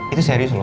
itu serius loh